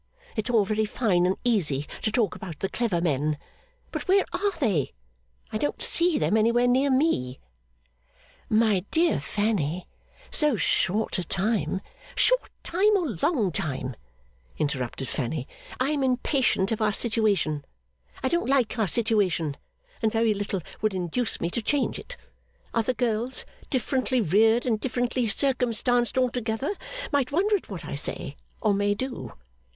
It's all very fine and easy to talk about the clever men; but where are they? I don't see them anywhere near me!' 'My dear Fanny, so short a time ' 'Short time or long time,' interrupted Fanny. 'I am impatient of our situation. I don't like our situation, and very little would induce me to change it. Other girls, differently reared and differently circumstanced altogether, might wonder at what I say or may do.